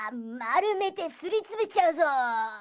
まるめてすりつぶしちゃうぞ！